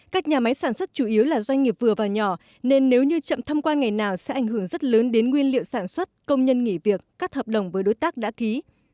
các nhà máy sản xuất chủ yếu là doanh nghiệp vừa và nhỏ nên nếu như chậm thông quan ngày nào sẽ ảnh hưởng rất lớn đến nguyên liệu sản xuất công nhân nghỉ việc các hợp đồng với đối tác đã ký